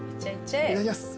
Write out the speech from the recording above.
いただきます。